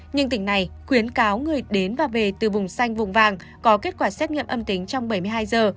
nhưng tỉnh này khuyến cáo người đến và về từ vùng xanh vùng vàng có kết quả xét nghiệm âm tính trong bảy mươi hai giờ